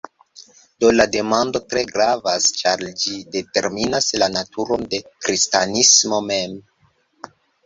Do la demando tre gravas ĉar ĝi determinas la naturon de kristanismo mem.